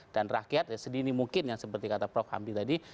dan rakyat sedini mungkin yang seperti kata prof hamdi tadi